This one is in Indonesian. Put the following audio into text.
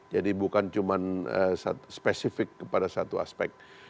jadi bukan cuma spesifik kepada satu aspek